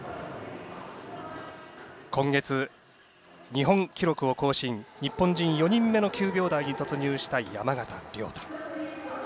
今月、日本記録を更新日本人４人目の９秒台に突入した山縣亮太。